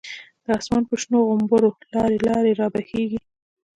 د آسمان په شنو غومبرو، لاری لاری را بهیږی